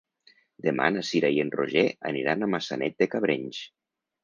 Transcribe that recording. Demà na Cira i en Roger aniran a Maçanet de Cabrenys.